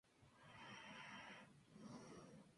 Luego, este se recoge y se comprime en cubos mediante máquinas.